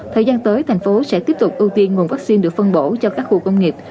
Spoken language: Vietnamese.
thời gian tới thành phố sẽ tiếp tục ưu tiên nguồn vaccine được phân bổ cho các khu công nghiệp